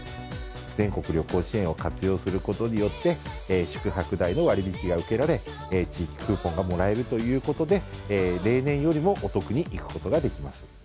全国旅行支援を活用することによって、宿泊代の割引が受けられ、地域クーポンがもらえるということで、例年よりもお得に行くことができます。